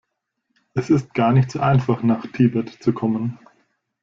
Es ist gar nicht so einfach nach Tibet zu kommen.